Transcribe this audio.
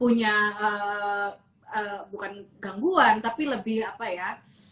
punya bukan gangguan tapi lebih apa ya